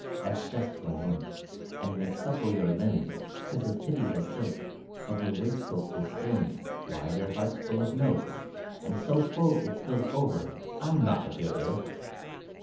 That's just to anoint And make supple your limbs. 'Tis a pity the silk Of your waistcoat is stained. Why! Your heart's full of milk, And so full, it spills over! I'm not of your ilk.